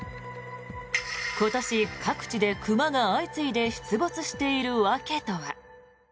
今年、各地で熊が相次いで出没している訳とは。